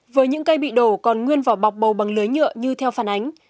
với những cây bị đổ còn nguyên vỏ bọc bầu bằng lưới nhựa như theo phản ánh